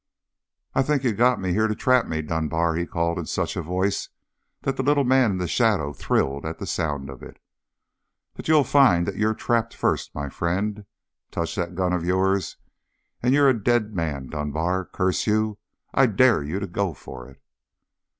"I think you got me here to trap me, Dunbar," he called in such a voice that the little man in the shadow thrilled at the sound of it, "but you'll find that you're trapped first, my friend. Touch that gun of yours, and you're a dead man, Dunbar. Curse you, I dare you to go for it!"